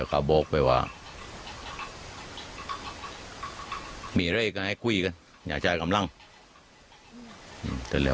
การคุยไม่รุ่งเข้นล่างล่ะ